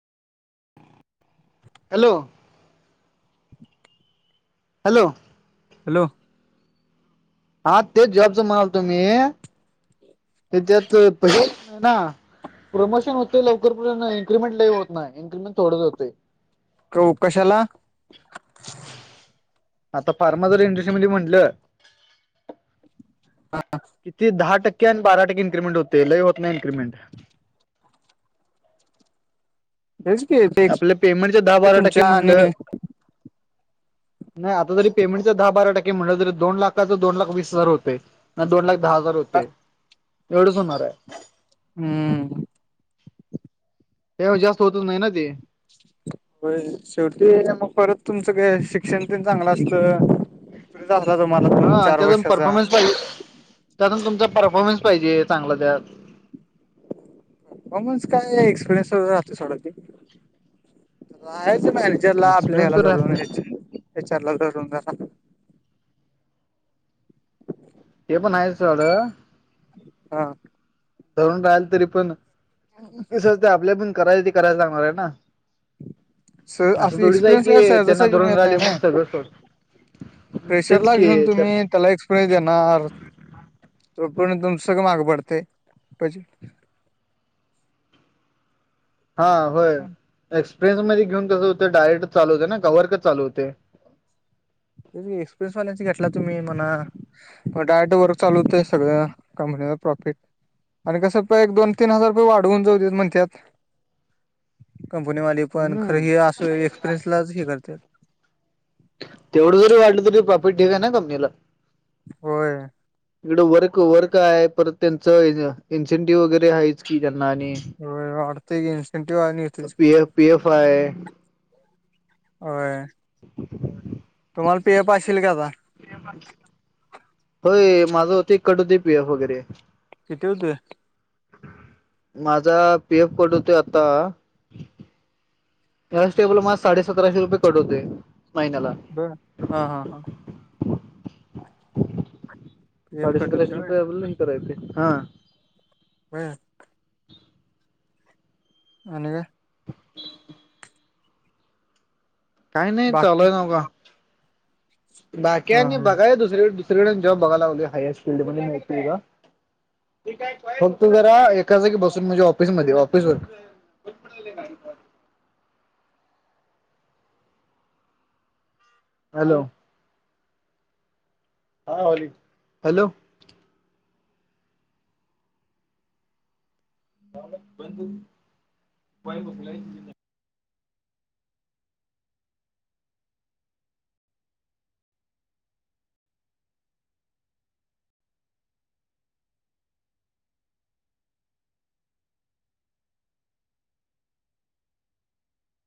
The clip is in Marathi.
हॅलो. हॅलो. हॅलो. हा तेच जॉबचं म्हणाल तो मी. तुम्ही [unintelligible] प्रमोशन होते लवकरपर्ंत इनकिमेंट लही होत नाही. इनक्रीिमेंट थोडीच होतय. कावु कशाला? आता फार्मा जर इंडरट्री म म्हटलं. हा किती दहा टक्के आणि बारा टक्के इनक्रीिमेंट होते लही होत नाही. इनक्रीमेंट. हेच की. ते आपल्या पेमेंटच दहा बारा टक्के तुमच्या आणि म्हटलं. नाही. आता जरी पेमेंटचा दहा बारा टक्के म्हटलं तरी दोन लाखां दोन लाख वीस हजार होते. नाही दोन लाख दहा हजार होते. हम्म एवढंच होणार आहे. हम्म. ते जास्त होतच नाही ना ते होय. शेवटी मग परत तुमचं काय शिक्षण प चांगलं असत [unintelligible] दोन हा चार त्यातून वर्षाचा परफॉर्मन्स पाहिजे त्यातून तुमचा परफॉर्मन्स पाहिजे चांगला त्यात. परफॉर्मन्स काय एक्सपिरियन्स वग राहतो सोडच मॅरज ला आपल्या एक्सपिरियन्स ह्याला तर राहते रूनचर एच आर ला धरून जरा ते पण आहेच सोड. हा धरून राहिल तरी पण सते आपल्या पण कराय ते करायच लागणार आहे ना. स असं थोडीच आहे एक्सपिरियन्स की काय त्यांना सहजासहजी धरून मिळत नाही राहिले ना मग सगळंच सोड तेच प्रेशरला घेऊन कि त्यात तुम्ही त्याला एक्सपिरियन्स देणार तोपर्यंत तुमचं सगळं मागं पडते. हा होय एक्सपिरियन्स मध्ये घेऊन कसं होतं डायरेक्ट चालू होते ना वर्क चालू होतंय. एक्सप्रेस वाल्यांच घेतटला तुम्ही म्हणा. मग डायरेक्टर वर्क चालू होतय सगळ कंपनीला प्रॉफिट. आणि कसं होतंय एक दोन तीन हजार रुपये वाढवून जाऊ देत म्हणत्यात कंपनीवाले. पण खरं हम्म हे असं एक्सपिरियन्सलाच हे करत्यात. तेवढं जरी वाढलं तरी प्रॉफिट ढीग आहे ना कंपनीला. होय. इकडं वर्क वर्क आहे परत त्यांचं इन्सेंटिव्ह वगैरे आहेच की त्यांना आणि हो वाढतय इनसेंटिव आ नि पी एफ पी एफ आहे होय. [inaudible] तुम्हाला पी एफ अशिल की आता. होय माझ होतय कट होतंय की पि एफ वगैरे. किती होतय? माझा पी एफ कट होतोय आत्ता अन्स्टेबल मला साडेसतराशे रुपये कट होतंय महिन्याला. बर हा हा हा. पे अप कट साडेसतराशे होतंय होय रुपये अजून लिंक करायचे हा. बर. आणि काय? काही नाही बाकी चालूय नव का बाकी हा आणि हा बघायाच दुसरीकड दु दुसरीकडं जॉब बघाय लागलोय हाय ह्याच फील्ड मध्ये मिळतंय का? फक्त जरा एका जागी बसून म्हणजे ऑफिसमध्ये ऑफिसवर्क. [unintelligible] हॅलो. हा हॅलो बध बाय बघलाय